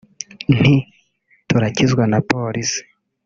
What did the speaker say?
nti “Turakizwa na Polisi”